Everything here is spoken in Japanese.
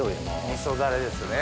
味噌ダレですね。